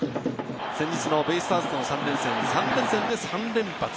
先日のベイスターズ戦でも３連戦で３連発。